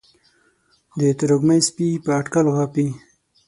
د تروږمۍ سپي په اټکل غاپي